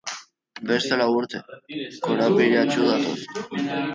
Beste lau urte korapilatsu datoz.